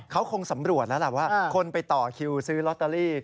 เขาคงสำรวจแล้วล่ะว่าคนไปต่อคิวซื้อลอตเตอรี่